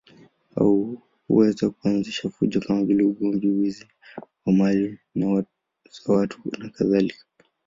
Hao huweza kuanzisha fujo kama vile ugomvi, wizi wa mali za watu nakadhalika.